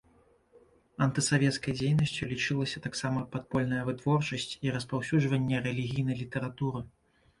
Антысавецкай дзейнасцю лічылася таксама падпольная вытворчасць і распаўсюджванне рэлігійнай літаратуры.